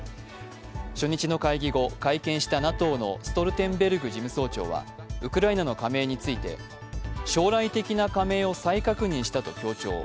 初日の会議後、会見したＮＡＴＯのストルテンベルグ事務局長はウクライナの加盟について将来的な加盟を再確認したと強調。